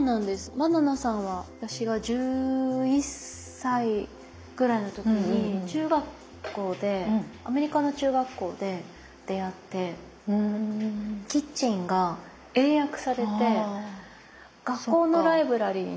ばななさんは私が１１歳ぐらいの時に中学校でアメリカの中学校で出会って「キッチン」が英訳されて学校のライブラリーに並んでたの。